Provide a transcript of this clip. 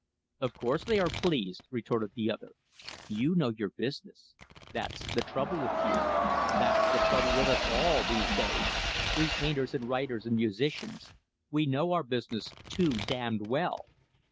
"Of course they are pleased," retorted the other. "You know your business. That's the trouble with you. That's the trouble with us all, these days we painters and writers and musicians we know our business too damned well.